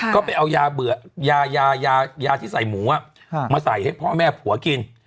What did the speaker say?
ก็ไปเอายาเบื่อยายาที่ใส่หมูมาใส่ให้พ่อแม่ผัวกิน